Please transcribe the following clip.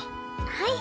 はい。